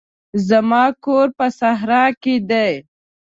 زما کور په صحرا کښي دی.